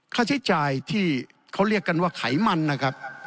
ค่าใช้จ่ายที่เขาเรียกกันว่าไขมันนะครับ